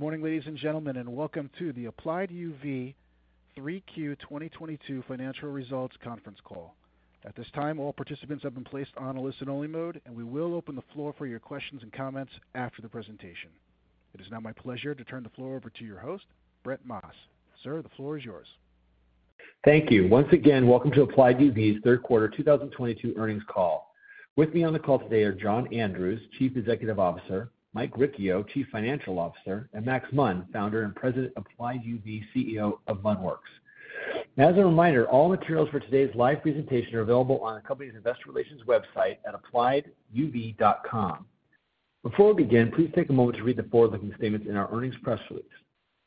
Good morning, ladies and gentlemen, and welcome to the Applied UV 3Q 2022 financial results conference call. At this time, all participants have been placed on a listen only mode, and we will open the floor for your questions and comments after the presentation. It is now my pleasure to turn the floor over to your host, Brett Maas. Sir, the floor is yours. Thank you. Once again, welcome to Applied UV's third quarter 2022 earnings call. With me on the call today are John Andrews, Chief Executive Officer, Mike Riccio, Chief Financial Officer, and Max Munn, Founder and President of Applied UV, CEO of Munn Works. As a reminder, all materials for today's live presentation are available on our company's investor relations website at applieduv.com. Before we begin, please take a moment to read the forward-looking statements in our earnings press release.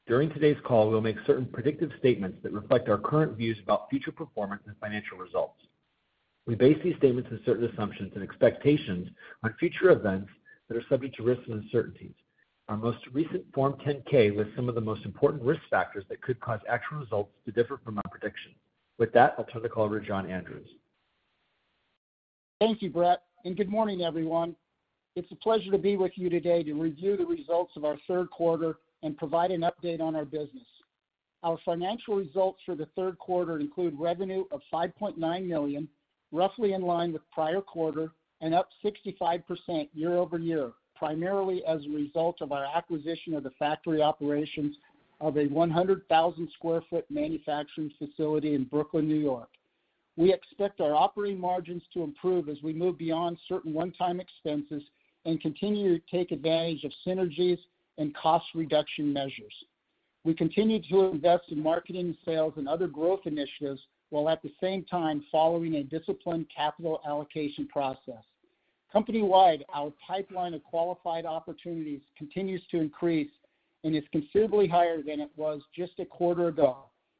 During today's call, we'll make certain predictive statements that reflect our current views about future performance and financial results. We base these statements on certain assumptions and expectations on future events that are subject to risks and uncertainties. Our most recent Form 10-K lists some of the most important risk factors that could cause actual results to differ from our predictions. With that, I'll turn the call over to John Andrews. Thank you, Brett, and good morning, everyone. It's a pleasure to be with you today to review the results of our third quarter and provide an update on our business. Our financial results for the third quarter include revenue of $5.9 million, roughly in line with prior quarter, and up 65% year-over-year, primarily as a result of our acquisition of the factory operations of a 100,000 sq ft manufacturing facility in Brooklyn, New York. We expect our operating margins to improve as we move beyond certain one-time expenses and continue to take advantage of synergies and cost reduction measures. We continue to invest in marketing and sales and other growth initiatives, while at the same time following a disciplined capital allocation process. Company-wide, our pipeline of qualified opportunities continues to increase and is considerably higher than it was just a quarter ago,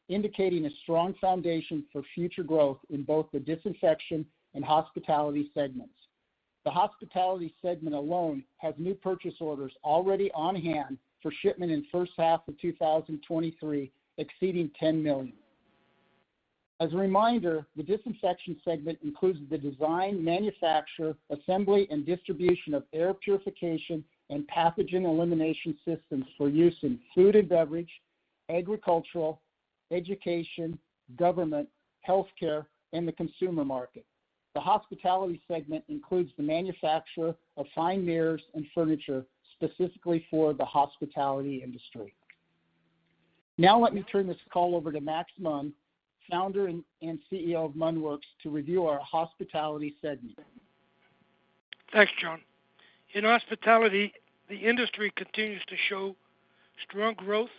indicating a strong foundation for future growth in both the disinfection and hospitality segments. The hospitality segment alone has new purchase orders already on hand for shipment in first half of 2023, exceeding $10 million. As a reminder, the disinfection segment includes the design, manufacture, assembly, and distribution of air purification and pathogen elimination systems for use in food and beverage, agricultural, education, government, healthcare, and the consumer market. The hospitality segment includes the manufacture of fine mirrors and furniture specifically for the hospitality industry. Now let me turn this call over to Max Munn, Founder and CEO of Munn Works, to review our hospitality segment. Thanks, John. In hospitality, the industry continues to show strong growth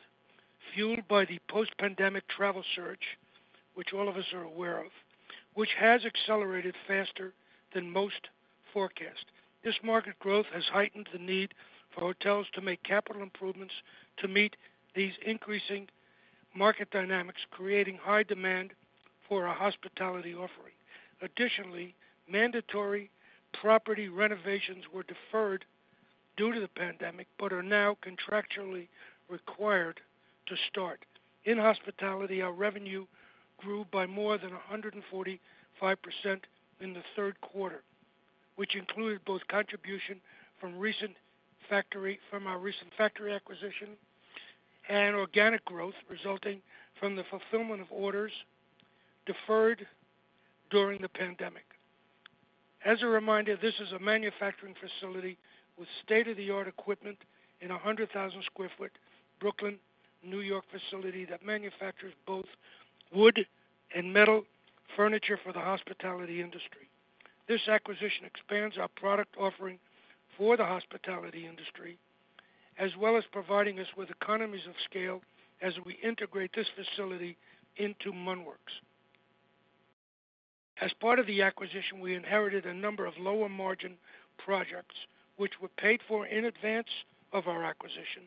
fueled by the post-pandemic travel surge, which all of us are aware of, which has accelerated faster than most forecast. This market growth has heightened the need for hotels to make capital improvements to meet these increasing market dynamics, creating high demand for our hospitality offering. Additionally, mandatory property renovations were deferred due to the pandemic, but are now contractually required to start. In hospitality, our revenue grew by more than 145% in the third quarter, which included both contribution from our recent factory acquisition and organic growth resulting from the fulfillment of orders deferred during the pandemic. As a reminder, this is a manufacturing facility with state-of-the-art equipment in a 100,000 sq ft Brooklyn, New York facility that manufactures both wood and metal furniture for the hospitality industry. This acquisition expands our product offering for the hospitality industry, as well as providing us with economies of scale as we integrate this facility into Munn Works. As part of the acquisition, we inherited a number of lower margin projects which were paid for in advance of our acquisition,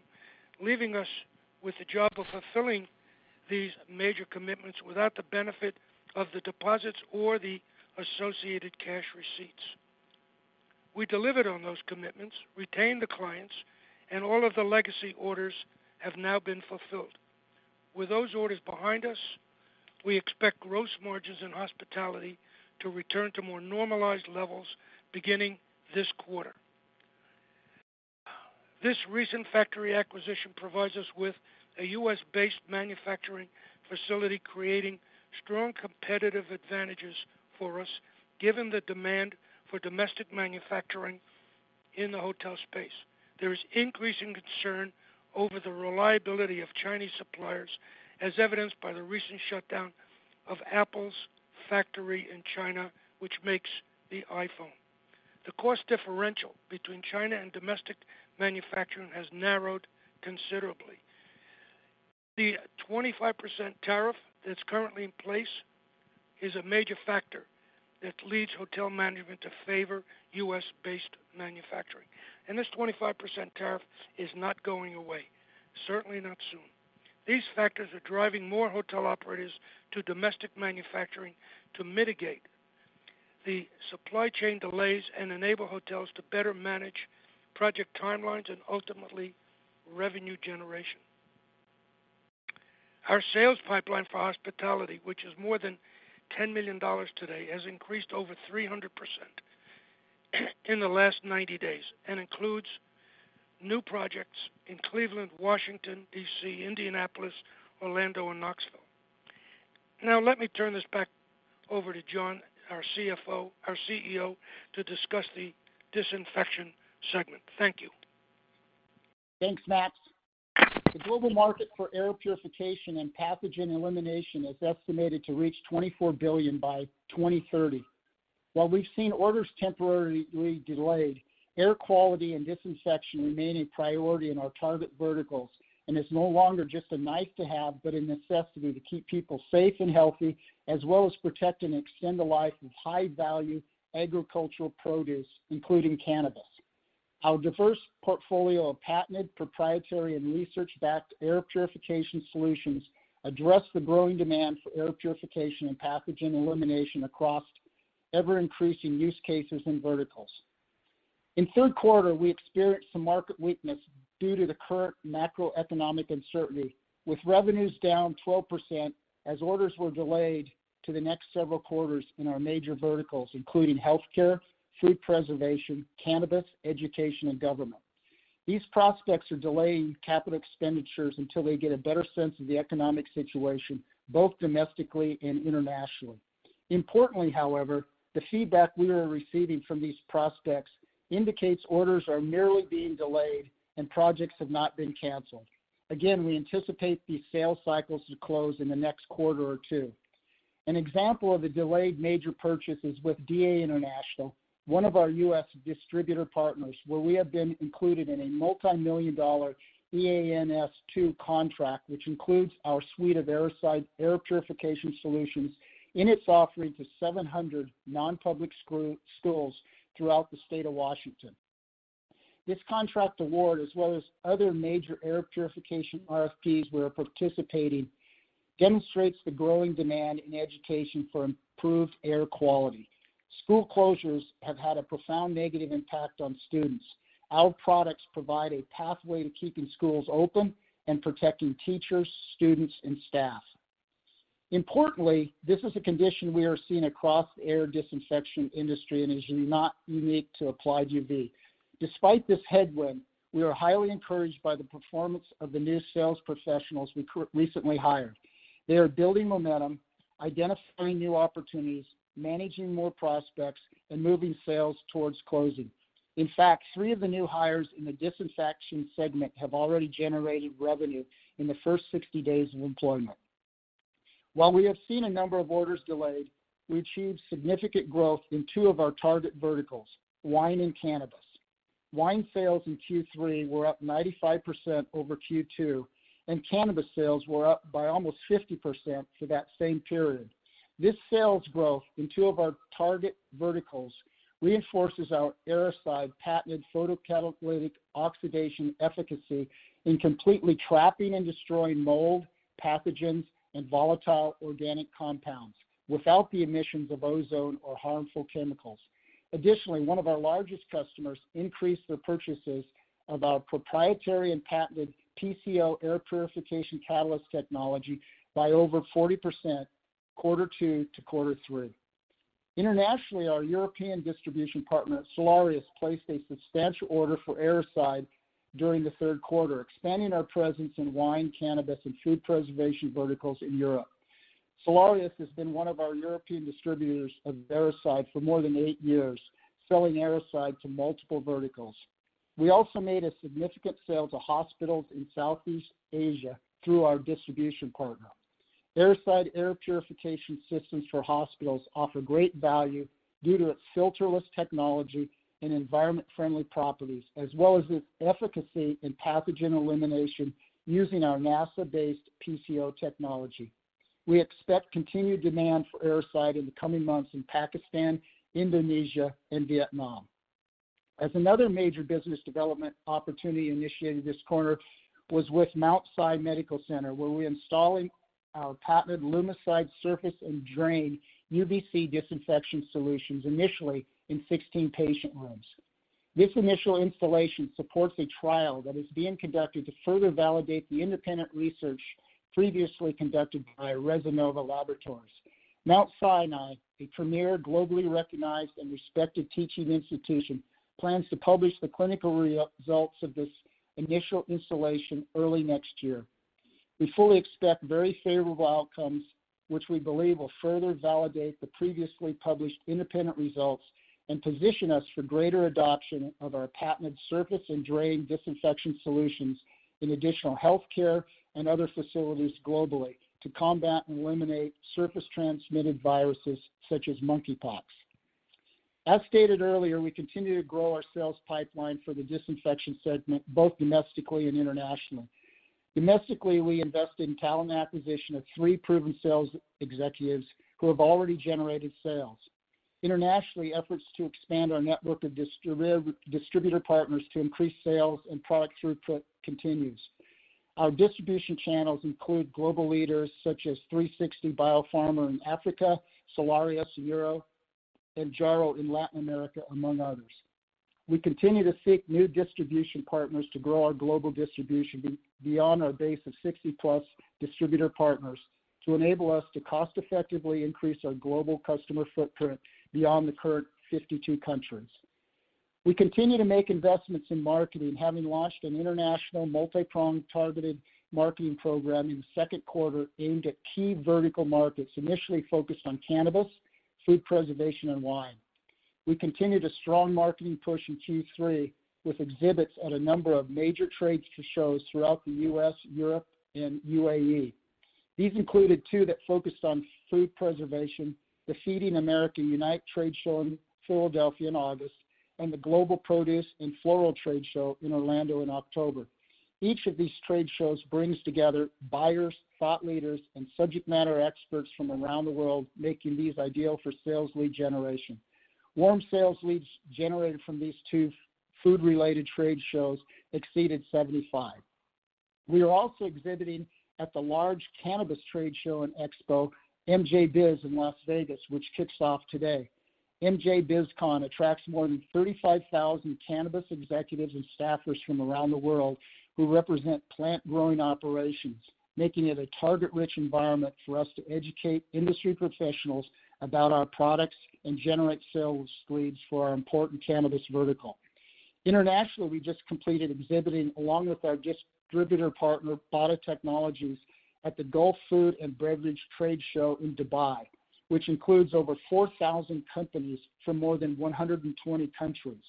leaving us with the job of fulfilling these major commitments without the benefit of the deposits or the associated cash receipts. We delivered on those commitments, retained the clients, and all of the legacy orders have now been fulfilled. With those orders behind us, we expect gross margins in hospitality to return to more normalized levels beginning this quarter. This recent factory acquisition provides us with a U.S.-based manufacturing facility, creating strong competitive advantages for us, given the demand for domestic manufacturing in the hotel space. There is increasing concern over the reliability of Chinese suppliers, as evidenced by the recent shutdown of Apple's factory in China, which makes the iPhone. The cost differential between China and domestic manufacturing has narrowed considerably. The 25% tariff that's currently in place is a major factor that leads hotel management to favor US-based manufacturing, and this 25% tariff is not going away, certainly not soon. These factors are driving more hotel operators to domestic manufacturing to mitigate the supply chain delays and enable hotels to better manage project timelines and ultimately revenue generation. Our sales pipeline for hospitality, which is more than $10 million today, has increased over 300% in the last 90 days and includes new projects in Cleveland, Washington, D.C., Indianapolis, Orlando, and Knoxville. Now, let me turn this back over to John, our CEO, to discuss the disinfection segment. Thank you. Thanks, Max. The global market for air purification and pathogen elimination is estimated to reach $24 billion by 2030. While we've seen orders temporarily delayed, air quality and disinfection remain a priority in our target verticals, and it's no longer just a nice to have, but a necessity to keep people safe and healthy, as well as protect and extend the life of high-value agricultural produce, including cannabis. Our diverse portfolio of patented, proprietary, and research-backed air purification solutions address the growing demand for air purification and pathogen elimination across ever-increasing use cases and verticals. In third quarter, we experienced some market weakness due to the current macroeconomic uncertainty, with revenues down 12% as orders were delayed to the next several quarters in our major verticals, including healthcare, food preservation, cannabis, education, and government. These prospects are delaying capital expenditures until they get a better sense of the economic situation, both domestically and internationally. Importantly, however, the feedback we are receiving from these prospects indicates orders are merely being delayed and projects have not been canceled. Again, we anticipate these sales cycles to close in the next quarter or two. An example of a delayed major purchase is with DA International, one of our U.S. distributor partners, where we have been included in a multimillion-dollar EANS II contract, which includes our suite of Airocide air purification solutions in its offering to 700 non-public schools throughout the state of Washington. This contract award, as well as other major air purification RFPs we are participating, demonstrates the growing demand in education for improved air quality. School closures have had a profound negative impact on students. Our products provide a pathway to keeping schools open and protecting teachers, students, and staff. Importantly, this is a condition we are seeing across the air disinfection industry and is not unique to Applied UV. Despite this headwind, we are highly encouraged by the performance of the new sales professionals we recently hired. They are building momentum, identifying new opportunities, managing more prospects, and moving sales towards closing. In fact, three of the new hires in the disinfection segment have already generated revenue in the first 60 days of employment. While we have seen a number of orders delayed, we achieved significant growth in two of our target verticals, wine and cannabis. Wine sales in Q3 were up 95% over Q2, and cannabis sales were up by almost 50% for that same period. This sales growth in two of our target verticals reinforces our Airocide patented photocatalytic oxidation efficacy in completely trapping and destroying mold, pathogens, and volatile organic compounds without the emissions of ozone or harmful chemicals. Additionally, one of our largest customers increased their purchases of our proprietary and patented PCO air purification catalyst technology by over 40% quarter two to quarter three. Internationally, our European distribution partner, Cellarius, placed a substantial order for Airocide during the third quarter, expanding our presence in wine, cannabis, and food preservation verticals in Europe. Cellarius has been one of our European distributors of Airocide for more than eight years, selling Airocide to multiple verticals. We also made a significant sale to hospitals in Southeast Asia through our distribution partner. Airocide air purification systems for hospitals offer great value due to its filterless technology and environment-friendly properties, as well as its efficacy in pathogen elimination using our NASA-based PCO technology. We expect continued demand for Airocide in the coming months in Pakistan, Indonesia, and Vietnam. As another major business development opportunity initiated this quarter was with Mount Sinai Medical Center, where we're installing our patented Lumicide surface and drain UVC disinfection solutions initially in 16 patient rooms. This initial installation supports a trial that is being conducted to further validate the independent research previously conducted by ResInnova Laboratories. Mount Sinai, a premier, globally recognized, and respected teaching institution, plans to publish the clinical results of this initial installation early next year. We fully expect very favorable outcomes, which we believe will further validate the previously published independent results and position us for greater adoption of our patented surface and drain disinfection solutions in additional healthcare and other facilities globally to combat and eliminate surface-transmitted viruses such as monkeypox. As stated earlier, we continue to grow our sales pipeline for the disinfection segment, both domestically and internationally. Domestically, we invest in talent acquisition of three proven sales executives who have already generated sales. Internationally, efforts to expand our network of distributor partners to increase sales and product throughput continues. Our distribution channels include global leaders such as 3Sixty Biopharma in Africa, Cellarius Euro, and JARO in Latin America, among others. We continue to seek new distribution partners to grow our global distribution beyond our base of 60+ distributor partners to enable us to cost effectively increase our global customer footprint beyond the current 52 countries. We continue to make investments in marketing, having launched an international multi-pronged targeted marketing program in the second quarter aimed at key vertical markets, initially focused on cannabis, food preservation and wine. We continued a strong marketing push in Q3 with exhibits at a number of major trade shows throughout the U.S., Europe and U.A.E. These included two that focused on food preservation, the Feeding America Unite Trade Show in Philadelphia in August, and the Global Produce & Floral Trade Show in Orlando in October. Each of these trade shows brings together buyers, thought leaders, and subject matter experts from around the world, making these ideal for sales lead generation. Warm sales leads generated from these two food-related trade shows exceeded 75. We are also exhibiting at the large cannabis trade show and expo, MJBiz in Las Vegas, which kicks off today. MJBizCon attracts more than 35,000 cannabis executives and staffers from around the world who represent plant growing operations, making it a target-rich environment for us to educate industry professionals about our products and generate sales leads for our important cannabis vertical. Internationally, we just completed exhibiting along with our distributor partner, Bada technologies, at the Gulfood in beverage trade show in Dubai, which includes over 4,000 companies from more than 120 countries.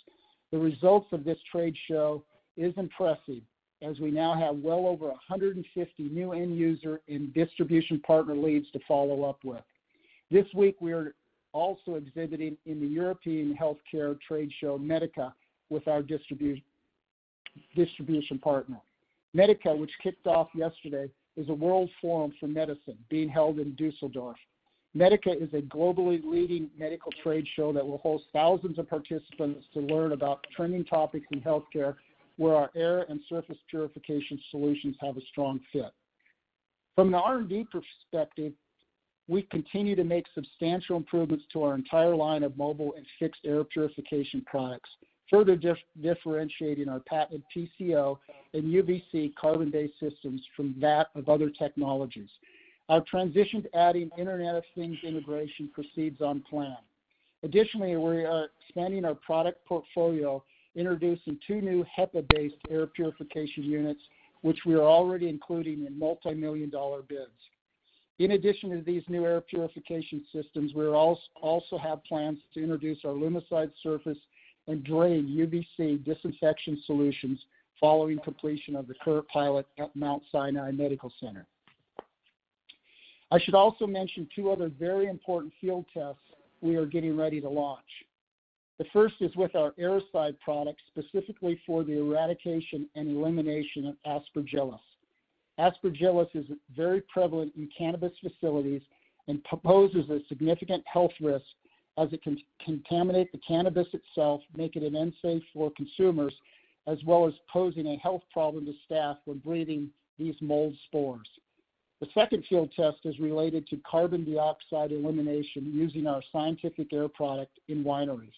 The results of this trade show is impressive as we now have well over 150 new end user and distribution partner leads to follow up with. This week, we are also exhibiting in the European healthcare trade show, MEDICA, with our distribution partner. MEDICA, which kicked off yesterday, is a world forum for medicine being held in Düsseldorf. MEDICA is a globally leading medical trade show that will host thousands of participants to learn about trending topics in healthcare, where our air and surface purification solutions have a strong fit. From an R&D perspective, we continue to make substantial improvements to our entire line of mobile and fixed air purification products, further differentiating our patented PCO and UVC carbon-based systems from that of other technologies. Our transition to adding Internet of Things integration proceeds on plan. Additionally, we are expanding our product portfolio, introducing two new HEPA-based air purification units, which we are already including in multimillion-dollar bids. In addition to these new air purification systems, we also have plans to introduce our Lumicide surface and drain UVC disinfection solutions following completion of the current pilot at Mount Sinai Medical Center. I should also mention two other very important field tests we are getting ready to launch. The first is with our Airocide product, specifically for the eradication and elimination of Aspergillus. Aspergillus is very prevalent in cannabis facilities and poses a significant health risk as it can contaminate the cannabis itself, making it unsafe for consumers, as well as posing a health problem to staff when breathing these mold spores. The second field test is related to carbon dioxide elimination using our Scientific Air product in wineries.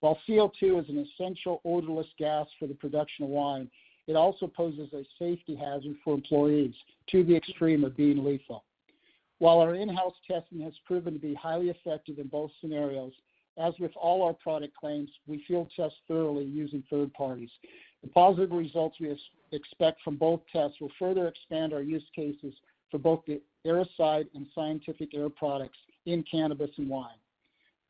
While CO2 is an essential odorless gas for the production of wine, it also poses a safety hazard for employees to the extreme of being lethal. While our in-house testing has proven to be highly effective in both scenarios, as with all our product claims, we field test thoroughly using third parties. The positive results we expect from both tests will further expand our use cases for both the Airocide and Scientific Air products in cannabis and wine.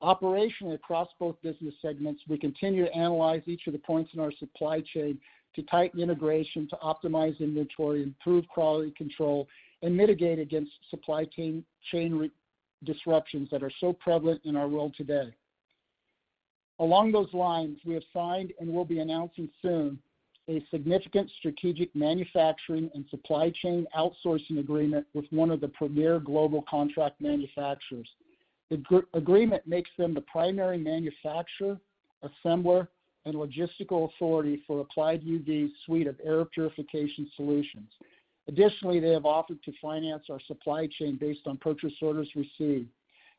Operationally, across both business segments, we continue to analyze each of the points in our supply chain to tighten integration, to optimize inventory, improve quality control, and mitigate against supply chain disruptions that are so prevalent in our world today. Along those lines, we have signed and will be announcing soon a significant strategic manufacturing and supply chain outsourcing agreement with one of the premier global contract manufacturers. The agreement makes them the primary manufacturer, assembler, and logistical authority for Applied UV's suite of air purification solutions. Additionally, they have offered to finance our supply chain based on purchase orders received.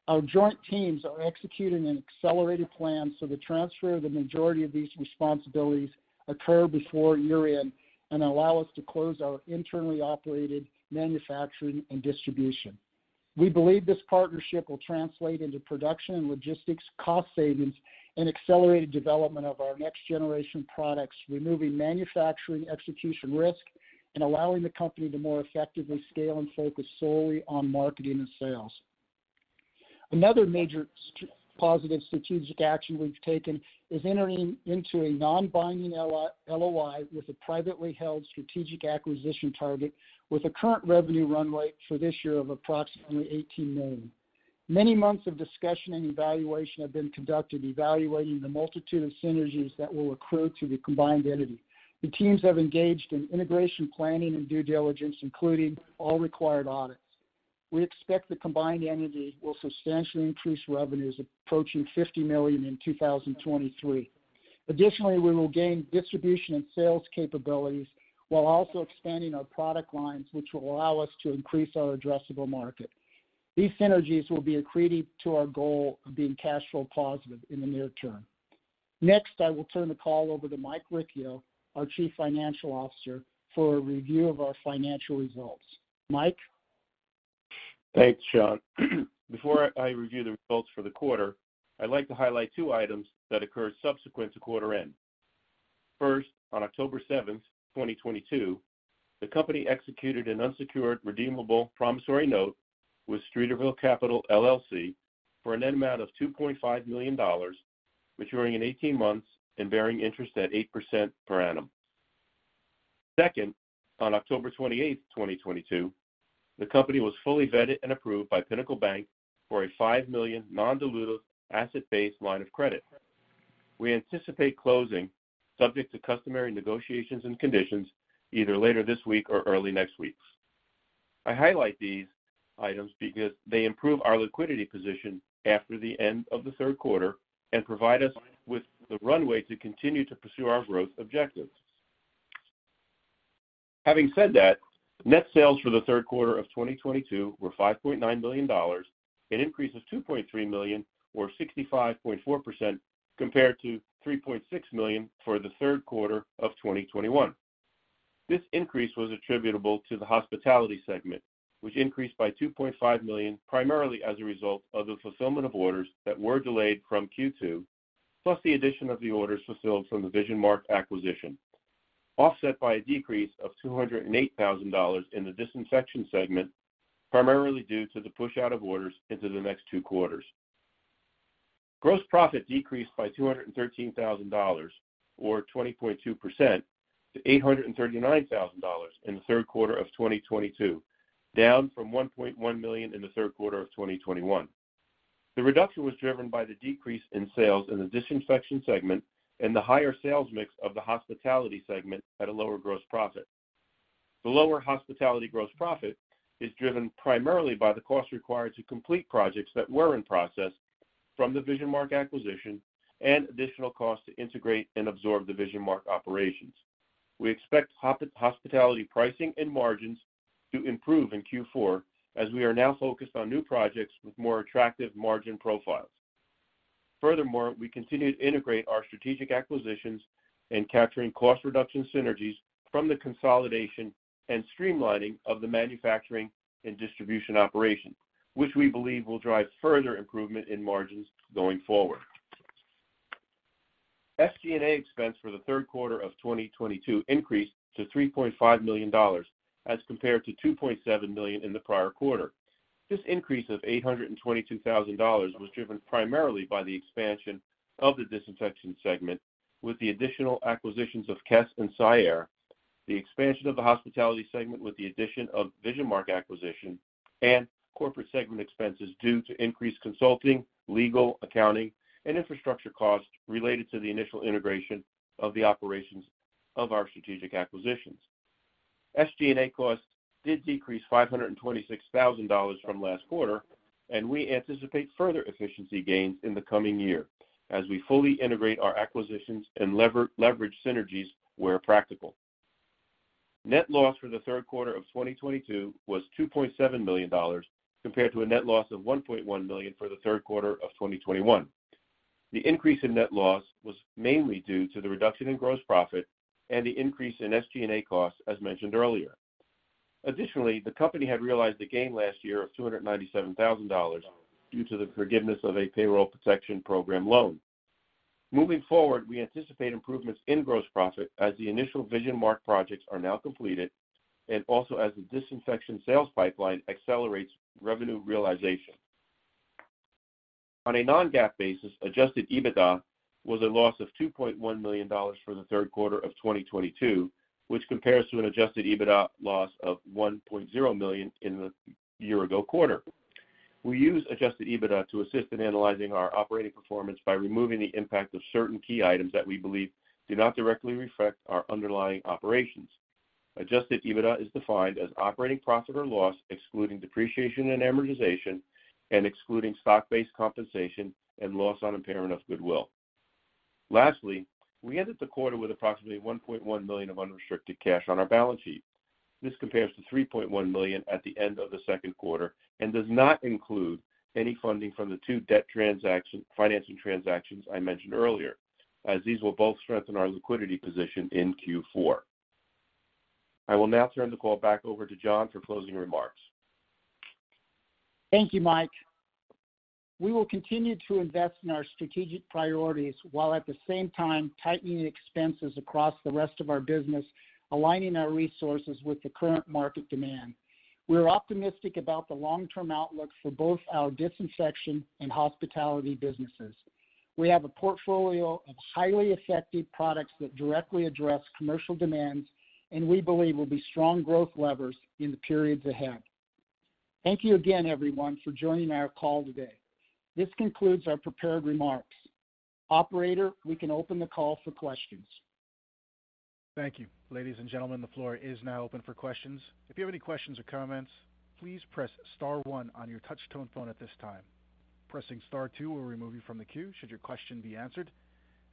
Our joint teams are executing an accelerated plan so the transfer of the majority of these responsibilities occur before year-end and allow us to close our internally operated manufacturing and distribution. We believe this partnership will translate into production and logistics cost savings and accelerated development of our next generation products, removing manufacturing execution risk and allowing the company to more effectively scale and focus solely on marketing and sales. Another major strategic action we've taken is entering into a non-binding LOI with a privately held strategic acquisition target with a current revenue runway for this year of approximately $18 million. Many months of discussion and evaluation have been conducted evaluating the multitude of synergies that will accrue to the combined entity. The teams have engaged in integration planning and due diligence, including all required audits. We expect the combined entity will substantially increase revenues approaching $50 million in 2023. Additionally, we will gain distribution and sales capabilities while also expanding our product lines, which will allow us to increase our addressable market. These synergies will be accretive to our goal of being cash flow positive in the near term. Next, I will turn the call over to Mike Riccio, our Chief Financial Officer, for a review of our financial results. Mike? Thanks, John. Before I review the results for the quarter, I'd like to highlight two items that occurred subsequent to quarter end. First, on October 7th, 2022, the company executed an unsecured redeemable promissory note with Streeterville Capital LLC for a net amount of $2.5 million, maturing in 18 months and bearing interest at 8% per annum. Second, on October 28, 2022, the company was fully vetted and approved by Pinnacle Bank for a $5 million non-dilutive asset-based line of credit. We anticipate closing subject to customary negotiations and conditions either later this week or early next week. I highlight these items because they improve our liquidity position after the end of the third quarter and provide us with the runway to continue to pursue our growth objectives. Having said that, net sales for the third quarter of 2022 were $5.9 million, an increase of $2.3 million or 65.4% compared to $3.6 million for the third quarter of 2021. This increase was attributable to the hospitality segment, which increased by $2.5 million primarily as a result of the fulfillment of orders that were delayed from Q2, plus the addition of the orders fulfilled from the VisionMark acquisition, offset by a decrease of $208,000 in the disinfection segment, primarily due to the pushout of orders into the next two quarters. Gross profit decreased by $213,000 or 20.2% to $839,000 in the third quarter of 2022, down from $1.1 million in the third quarter of 2021. The reduction was driven by the decrease in sales in the disinfection segment and the higher sales mix of the hospitality segment at a lower gross profit. The lower hospitality gross profit is driven primarily by the cost required to complete projects that were in process from the VisionMark acquisition and additional costs to integrate and absorb the VisionMark operations. We expect hospitality pricing and margins to improve in Q4 as we are now focused on new projects with more attractive margin profiles. Furthermore, we continue to integrate our strategic acquisitions and capturing cost reduction synergies from the consolidation and streamlining of the manufacturing and distribution operations, which we believe will drive further improvement in margins going forward. SG&A expense for the third quarter of 2022 increased to $3.5 million as compared to $2.7 million in the prior quarter. This increase of $822 thousand was driven primarily by the expansion of the disinfection segment with the additional acquisitions of KES and SciAir, the expansion of the hospitality segment with the addition of VisionMark acquisition, and corporate segment expenses due to increased consulting, legal, accounting, and infrastructure costs related to the initial integration of the operations of our strategic acquisitions. SG&A costs did decrease $526,000 from last quarter, and we anticipate further efficiency gains in the coming year as we fully integrate our acquisitions and leverage synergies where practical. Net loss for the third quarter of 2022 was $2.7 million compared to a net loss of $1.1 million for the third quarter of 2021. The increase in net loss was mainly due to the reduction in gross profit and the increase in SG&A costs, as mentioned earlier. Additionally, the company had realized a gain last year of $297,000 due to the forgiveness of a Payroll Protection Program loan. Moving forward, we anticipate improvements in gross profit as the initial VisionMark projects are now completed and also as the disinfection sales pipeline accelerates revenue realization. On a non-GAAP basis, adjusted EBITDA was a loss of $2.1 million for the third quarter of 2022, which compares to an adjusted EBITDA loss of $1.0 million in the year ago quarter. We use adjusted EBITDA to assist in analyzing our operating performance by removing the impact of certain key items that we believe do not directly reflect our underlying operations. Adjusted EBITDA is defined as operating profit or loss, excluding depreciation and amortization, and excluding stock-based compensation and loss on impairment of goodwill. Lastly, we ended the quarter with approximately $1.1 million of unrestricted cash on our balance sheet. This compares to $3.1 million at the end of the second quarter and does not include any funding from the two financing transactions I mentioned earlier, as these will both strengthen our liquidity position in Q4. I will now turn the call back over to John for closing remarks. Thank you, Mike. We will continue to invest in our strategic priorities while at the same time tightening expenses across the rest of our business, aligning our resources with the current market demand. We're optimistic about the long-term outlook for both our disinfection and hospitality businesses. We have a portfolio of highly effective products that directly address commercial demands, and we believe will be strong growth levers in the periods ahead. Thank you again, everyone, for joining our call today. This concludes our prepared remarks. Operator, we can open the call for questions. Thank you. Ladies and gentlemen, the floor is now open for questions. If you have any questions or comments, please press star one on your touch-tone phone at this time. Pressing star two will remove you from the queue should your question be answered.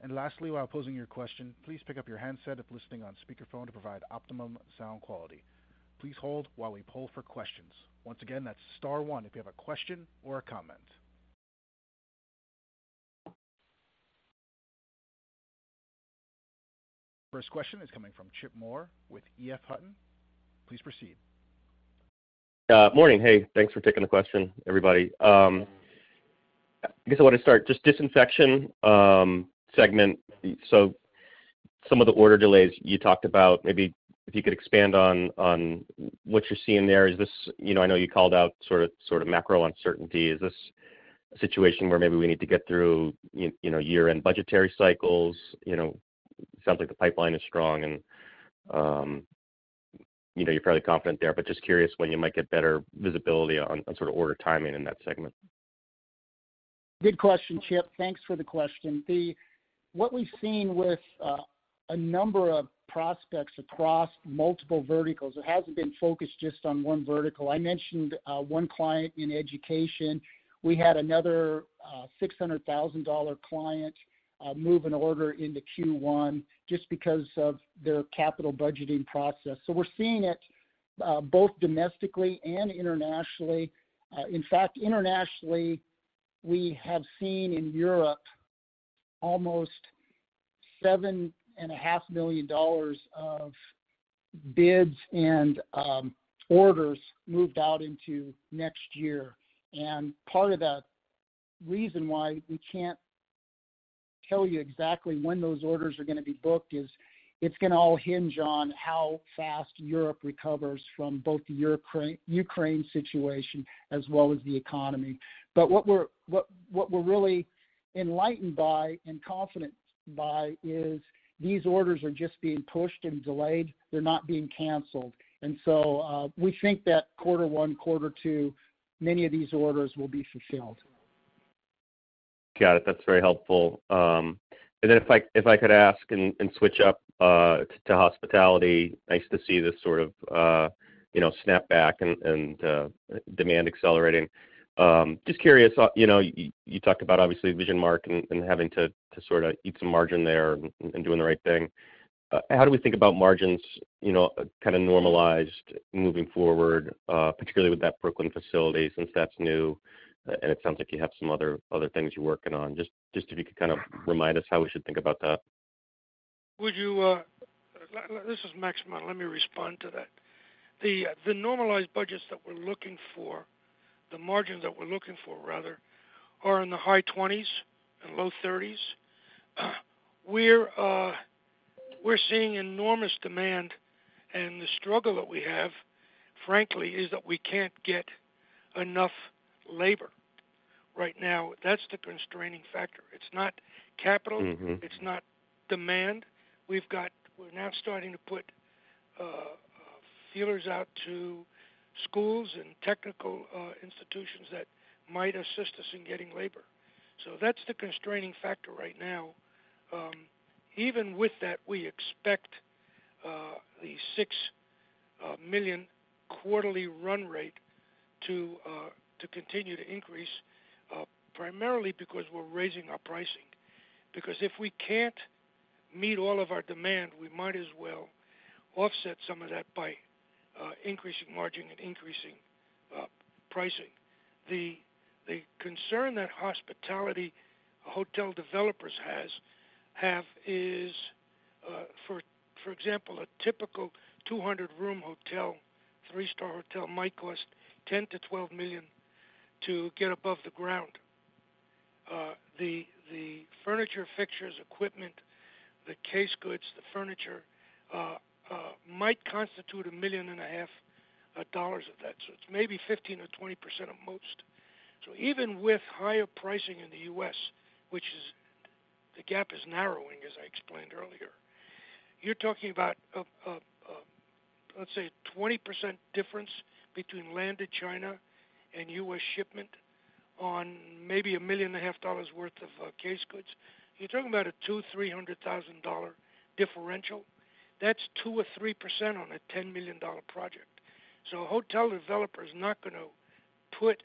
Lastly, while posing your question, please pick up your handset if listening on speakerphone to provide optimum sound quality. Please hold while we poll for questions. Once again, that's star one if you have a question or a comment. First question is coming from Chip Moore with EF Hutton. Please proceed. Morning. Hey, thanks for taking the question, everybody. I guess I want to start just disinfection segment. Some of the order delays you talked about, maybe if you could expand on what you're seeing there. Is this? You know, I know you called out sort of macro uncertainty. Is this a situation where maybe we need to get through you know, year-end budgetary cycles? You know, sounds like the pipeline is strong and you know, you're fairly confident there, but just curious when you might get better visibility on sort of order timing in that segment. Good question, Chip. Thanks for the question. What we've seen with a number of prospects across multiple verticals, it hasn't been focused just on one vertical. I mentioned one client in education. We had another $600,000 client move an order into Q1 just because of their capital budgeting process. We're seeing it both domestically and internationally. In fact, internationally, we have seen in Europe almost $7.5 million of bids and orders moved out into next year. Part of that reason why we can't tell you exactly when those orders are gonna be booked is it's gonna all hinge on how fast Europe recovers from both the Ukraine situation as well as the economy. What we're really enlightened by and confident by is these orders are just being pushed and delayed, they're not being canceled. We think that quarter one, quarter two, many of these orders will be fulfilled. Got it. That's very helpful. If I could ask and switch up to hospitality. Nice to see this sort of you know snap back and demand accelerating. Just curious you know you talked about obviously VisionMark and having to sort of eat some margin there and doing the right thing. How do we think about margins you know kind of normalized moving forward particularly with that Brooklyn facility since that's new and it sounds like you have some other things you're working on. Just if you could kind of remind us how we should think about that. This is Max Munn. Let me respond to that. The normalized budgets that we're looking for, the margins that we're looking for, rather, are in the high 20s% and low 30s%. We're seeing enormous demand, and the struggle that we have, frankly, is that we can't get enough labor right now. That's the constraining factor. It's not capital. Mm-hmm. It's not demand. We're now starting to put feelers out to schools and technical institutions that might assist us in getting labor. That's the constraining factor right now. Even with that, we expect the $6 million quarterly run rate to continue to increase primarily because we're raising our pricing. Because if we can't meet all of our demand, we might as well offset some of that by increasing margin and increasing pricing. The concern that hospitality hotel developers have is, for example, a typical 200-room, three-star hotel might cost $10-$12 million to get above the ground. The furniture, fixtures, equipment, the case goods, the furniture might constitute $1.5 million of that. It's maybe 15%-20% at most. Even with higher pricing in the U.S., which is the gap is narrowing, as I explained earlier, you're talking about a, let's say, 20% difference between land to China and U.S. shipment on maybe $1.5 million worth of case goods. You're talking about a $2-$300,000 differential. That's 2%-3% on a $10 million project. A hotel developer is not gonna put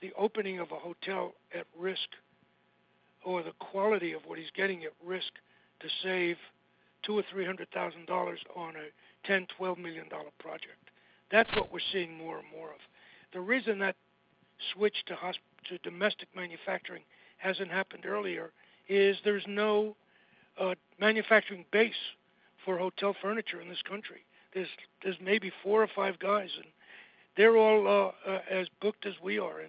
the opening of a hotel at risk or the quality of what he's getting at risk to save $2 or $300,000 on a $10-$12 million project. That's what we're seeing more and more of. The reason that switch to domestic manufacturing hasn't happened earlier is there's no manufacturing base for hotel furniture in this country. There's maybe four or five guys, and they're all as booked as we are.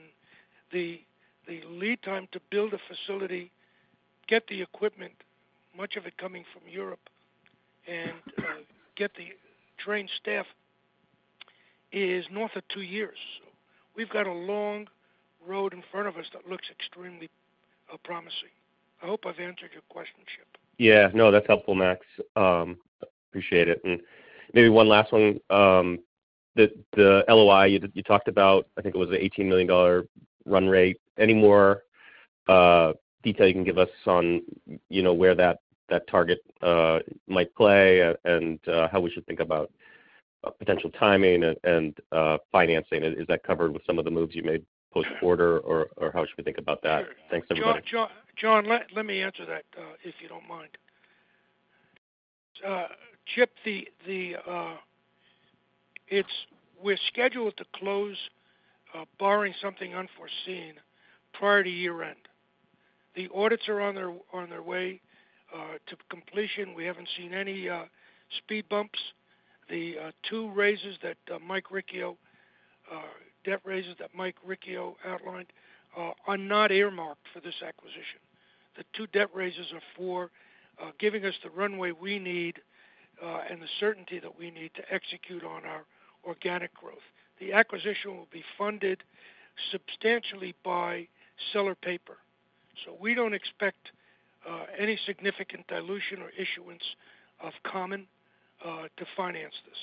The lead time to build a facility, get the equipment, much of it coming from Europe, and get the trained staff is north of two years. We've got a long road in front of us that looks extremely promising. I hope I've answered your question, Chip. Yeah. No, that's helpful, Max. Appreciate it. Maybe one last one. The LOI you talked about, I think it was the $18 million run rate, any more detail you can give us on, you know, where that target might play and how we should think about potential timing and financing. Is that covered with some of the moves you made post-quarter or how should we think about that? Sure. Thanks, everybody. John, let me answer that, if you don't mind. Chip, we're scheduled to close, barring something unforeseen prior to year-end. The audits are on their way to completion. We haven't seen any speed bumps. The two debt raises that Mike Riccio outlined are not earmarked for this acquisition. The two debt raises are for giving us the runway we need and the certainty that we need to execute on our organic growth. The acquisition will be funded substantially by seller paper, so we don't expect any significant dilution or issuance of common to finance this.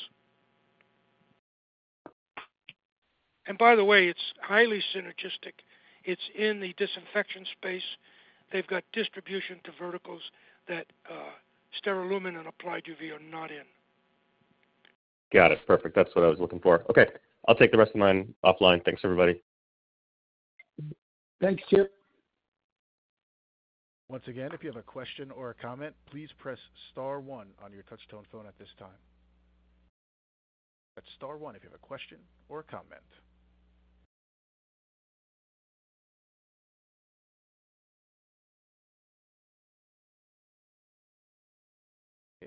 By the way, it's highly synergistic. It's in the disinfection space. They've got distribution to verticals that SteriLumen and Applied UV are not in. Got it. Perfect. That's what I was looking for. Okay. I'll take the rest of mine offline. Thanks, everybody. Thanks, Chip. Once again, if you have a question or a comment, please press star one on your touch tone phone at this time. That's star one if you have a question or a comment.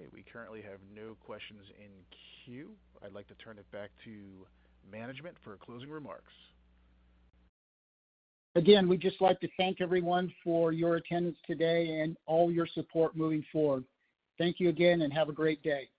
Okay, we currently have no questions in queue. I'd like to turn it back to management for closing remarks. Again, we'd just like to thank everyone for your attendance today and all your support moving forward. Thank you again, and have a great day.